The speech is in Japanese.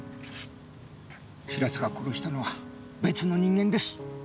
白坂殺したのは別の人間です。